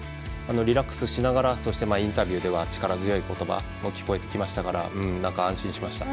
リラックスしながらそして、インタビューでは力強い言葉も聞こえてきましたから安心しました。